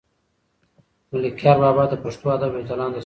ملکیار بابا د پښتو ادب یو ځلاند ستوری دی.